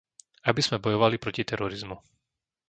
Aby sme bojovali proti terorizmu.